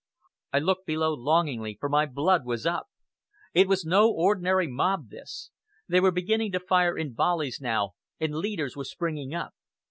I looked below longingly, for my blood was up. It was no ordinary mob this. They were beginning to fire in volleys now, and leaders were springing up.